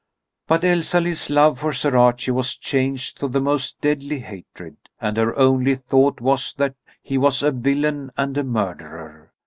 But Elsalill's love for Sir Archie was changed to the most deadly hatred, and her only thought was that he was a villain and a murderer.